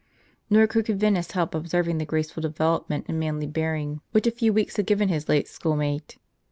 Nor could Corvinus help observing the graceful devel opment and manly bearing, which a few weeks had given his late school mate.